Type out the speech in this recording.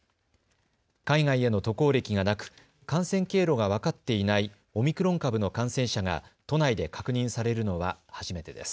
海外への渡航歴がなく感染経路が分かっていないオミクロン株の感染者が都内で確認されるのは初めてです。